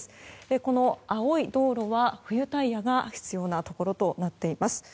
この青い道路は冬タイヤが必要なところとなっています。